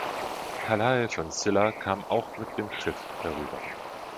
Talhae von Silla kam auch mit dem Schiff herüber.